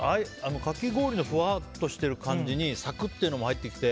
かき氷のふわっとしている感じにサクッていうのも入ってきて。